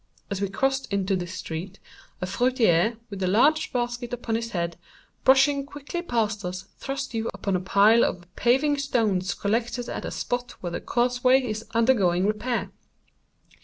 As we crossed into this street, a fruiterer, with a large basket upon his head, brushing quickly past us, thrust you upon a pile of paving stones collected at a spot where the causeway is undergoing repair.